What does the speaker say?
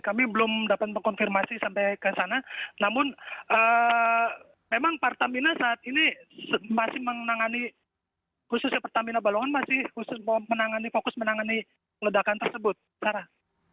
kami belum dapat mengkonfirmasi sampai ke sana namun memang pertamina saat ini masih menangani khususnya pertamina balongan masih khusus menangani fokus menangani ledakan tersebut sarah